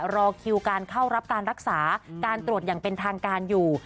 รอคิวการเข้ารับการรักษาการตรวจอย่างเป็นทางการอยู่